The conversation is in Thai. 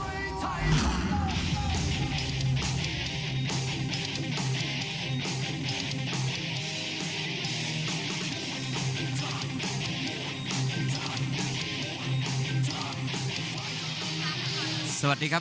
วันนี้ดังนั้นก็จะเป็นรายการมวยไทยสามยกที่มีความสนุกความมันความเดือดนะครับ